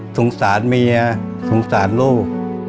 สงสารเมียสงสารลูก